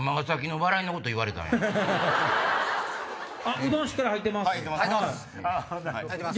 うどんしっかり入ってます。